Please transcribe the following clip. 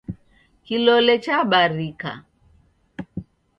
Kilole chabarika.